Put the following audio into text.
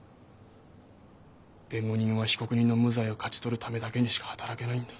弁護人は被告人の無罪を勝ち取るためだけにしか働けないんだ。